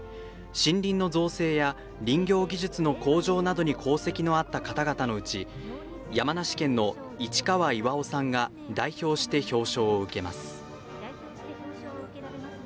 森林の造成や林業技術の向上などに功績のあった方々のうち山梨県の市川巌さんが代表して表彰を受けます。